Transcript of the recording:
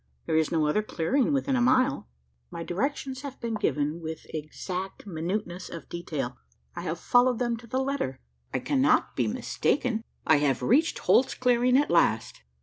there is no other clearing within a mile? My directions have been given with exact minuteness of detail. I have followed them to the letter: I cannot be mistaken: I have reached Holt's Clearing at last."